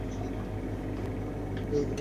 আমার মেয়ে আমাকে ছেড়ে চলে গেছে।